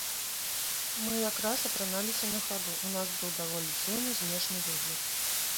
Мы як раз апраналіся на хаду, у нас быў даволі дзіўны знешні выгляд.